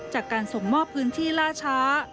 จากการส่งมอบพื้นที่ล่าช้า